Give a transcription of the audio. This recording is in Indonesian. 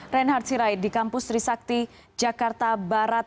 reinhard sirait di kampus trisakti jakarta barat